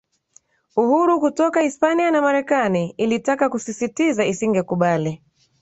uhuru kutoka Hispania na Marekani ilitaka kusisitiza isingekubali